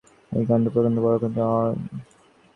একটা প্রকাণ্ড বড় পৃথিবী, অসংখ্য অচেনা মানুষ।